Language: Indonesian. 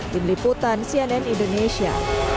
diliputan cnn indonesia